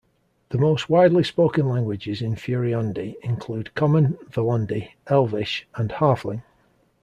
The most widely spoken languages in Furyondy include Common, Velondi, Elvish, and Halfling.